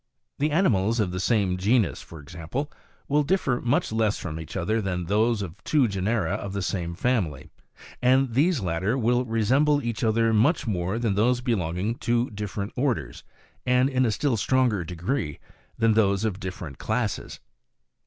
The animals of the same genus, for example, will differ much less from each other than those of two genera of the same family, and these latter will re semble each other much more than those belonging to different orders, and in a still stronger degree, than those of different classes.